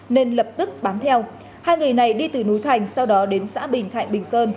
nên lập tức bám theo hai người này đi từ núi thành sau đó đến xã bình thạnh bình sơn